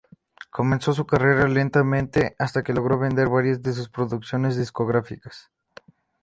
Comenzó su carrera lentamente, hasta que logró vender varias de sus producciones discográficas.